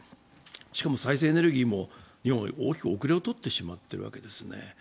しかも再生エネルギーも日本は大きく後れをとってしまっているんですね。